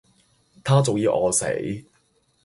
她早己餓死